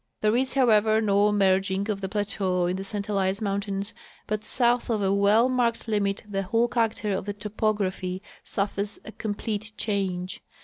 There is, however, no merging of the plateau in the St Elias mountains, but south of a Avell marked limit the AAdiole character of the topography suffers a complete change.